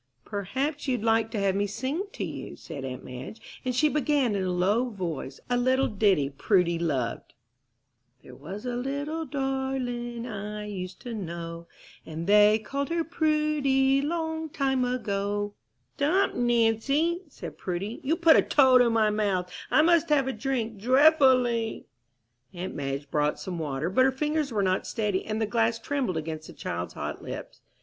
"Perhaps you'd like to have me sing to you," said aunt Madge; and she began, in a low voice, a little ditty Prudy loved: "There was a little darling I used to know, And they called her Prudy, Long time ago." "Stop, Nancy," said Prudy, "you put a toad in my mouth! I must have a drink dreffully!" Aunt Madge brought some water, but her fingers were not steady, and the glass trembled against the child's hot lips.